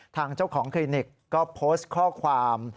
ทางเจ้าของคลินิกก็โพสต์ข้อความ